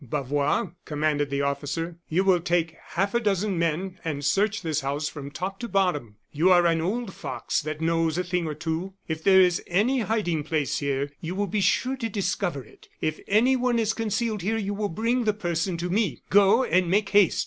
"Bavois," commanded the officer, "you will take half a dozen men and search this house from top to bottom. You are an old fox that knows a thing or two. If there is any hiding place here, you will be sure to discover it; if anyone is concealed here, you will bring the person to me. Go, and make haste!"